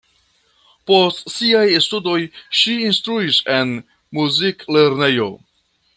Post siaj studoj ŝi instruis en muziklernejo.